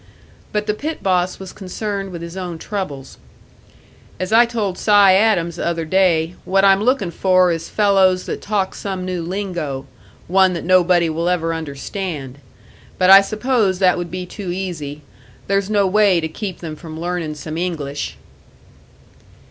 But the pit boss was concerned with his own troubles. "As I told Si Adams the other day, what I'm looking for is fellows that talk some new lingo one that nobody will ever understand! But I suppose that would be too easy. There's no way to keep them from learning some English!"